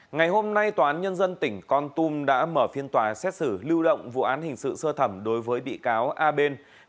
ngày hôm nay toán nhân dân tỉnh con tum đã mở phiên tòa xét xử lưu động vụ án hình sự sơ thẩm đối với bị cáo a ben